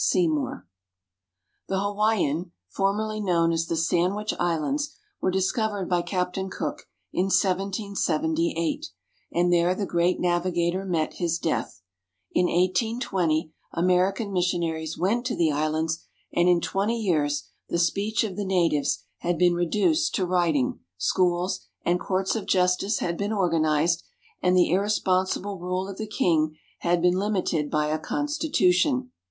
SEYMOUR [The Hawaiian, formerly known as the Sandwich Islands, were discovered by Captain Cook in 1778, and there the great navigator met his death. In 1820, American mission aries went to the islands, and in twenty years the speech of the natives had been reduced to writing, schools and courts of justice had been organized, and the irresponsible rule of the king had been limited by a constitution.